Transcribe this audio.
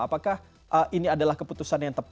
apakah ini adalah keputusan yang tepat